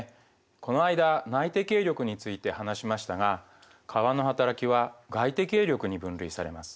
この間内的営力について話しましたが川のはたらきは外的営力に分類されます。